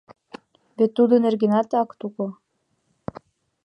Вет тудын нергенат акт уло.